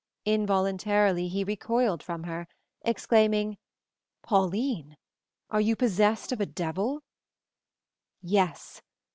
Involuntarily he recoiled from her, exclaiming, "Pauline! Are you possessed of a devil?" "Yes!